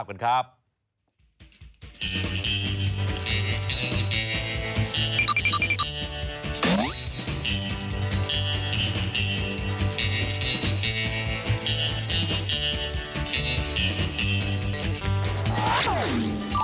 โอ้โหหน้ามืดเลย